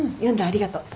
ありがとう。